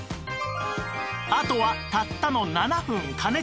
あとはたったの７分加熱。